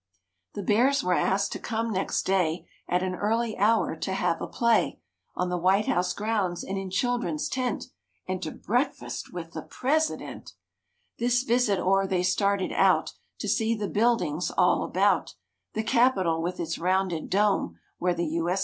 The Bears were asked to come next day At an early hour to have a play On the White House grounds and in children's tent And to breakfast with the President. H ii MR H m £&' mspp This visit o'er they started out To see the buildings all about: The Capitol with its rounded dome Where the U. S.